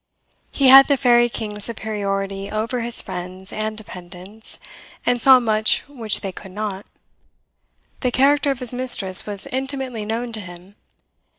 He had the Fairy King's superiority over his friends and dependants, and saw much which they could not. The character of his mistress was intimately known to him.